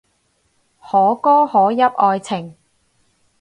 可歌可泣愛情